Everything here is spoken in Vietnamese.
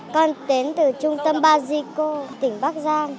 con đến từ trung tâm bagico tỉnh bắc giang